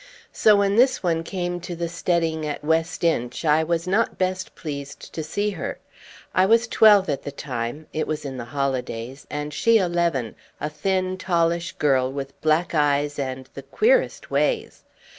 So when this one came to the steading at West Inch I was not best pleased to see her. I was twelve at the time (it was in the holidays) and she eleven, a thin, tallish girl with black eyes and the queerest ways.